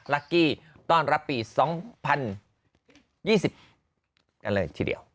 ลักกี้ต้อนรับปี๒๐๒๐กันเลยทีเดียว